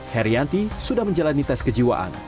herianti sudah menjalani tes kejiwaan